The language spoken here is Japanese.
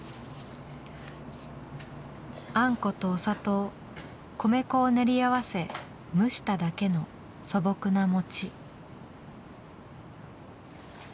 あんことお砂糖米粉を練り合わせ蒸しただけの素朴な餅。